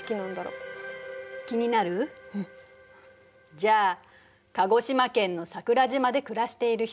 じゃあ鹿児島県の桜島で暮らしている人。